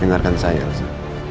dengarkan saya elsa